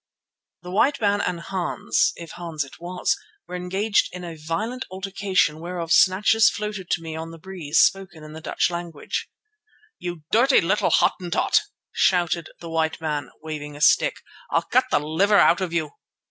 The white man and Hans, if Hans it was, were engaged in violent altercation whereof snatches floated to me on the breeze, spoken in the Dutch tongue. "You dirty little Hottentot!" shouted the white man, waving a stick, "I'll cut the liver out of you.